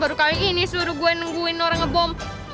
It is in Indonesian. baru kali ini suruh gue nungguin orang ngebom